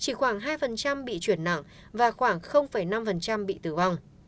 chỉ khoảng hai bị chuyển nặng và khoảng năm bị tử vong